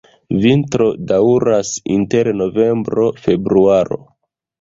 Vintro daŭras inter novembro-februaro.